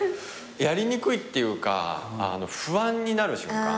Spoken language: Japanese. やりにくいっていうか不安になる瞬間。